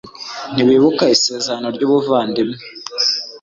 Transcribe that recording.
ntibibuka isezerano ry ubuvandimwe